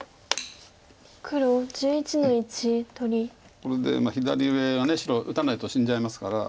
これで左上が白打たないと死んじゃいますから。